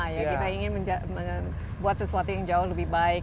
kita ingin buat sesuatu yang jauh lebih baik